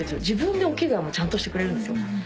自分でお着替えもちゃんとしてくれるんですよ。